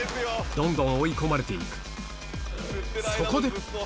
どんどん追い込まれて行くそこで！